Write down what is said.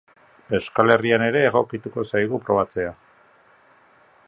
Euskal Herrian ere egokituko zaigu probatzea.